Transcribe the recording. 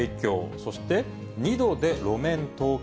そして２度で路面凍結。